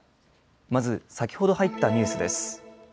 まず先ほど入ったニュースです。